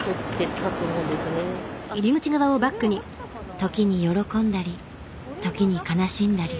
時に喜んだり時に悲しんだり。